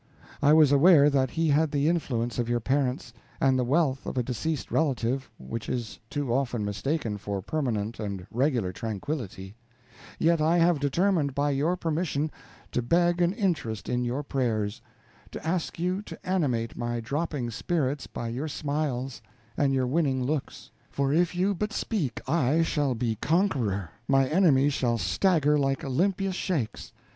I was aware that he had the influence of your parents, and the wealth of a deceased relative, which is too often mistaken for permanent and regular tranquillity; yet I have determined by your permission to beg an interest in your prayers to ask you to animate my drooping spirits by your smiles and your winning looks; for if you but speak I shall be conqueror, my enemies shall stagger like Olympus shakes.